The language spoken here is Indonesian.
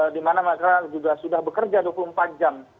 di mana mereka juga sudah bekerja dua puluh empat jam